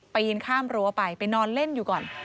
ปีนข้ามรั้วไปไปนอนเล่นอยู่ก่อน